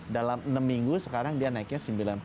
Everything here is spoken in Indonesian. dalam enam minggu sekarang dia naiknya sembilan puluh sembilan